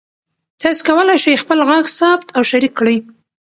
تاسي کولای شئ خپل غږ ثبت او شریک کړئ.